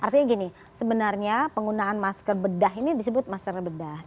artinya gini sebenarnya penggunaan masker bedah ini disebut masker bedah